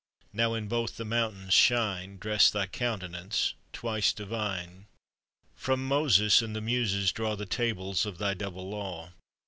Now in both the mountains' shine Dress thy countenance, twice divine! From Moses and the Muses draw The Tables of thy double Law!